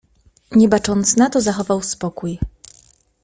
"Nie bacząc na to zachował spokój."